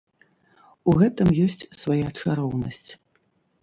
У гэтым ёсць свая чароўнасць.